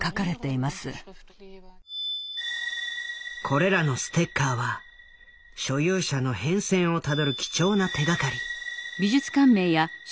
これらのステッカーは所有者の変遷をたどる貴重な手がかり。